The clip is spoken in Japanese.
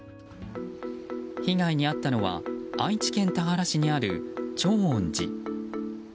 被害に遭ったのは愛知県田原市にある潮音寺。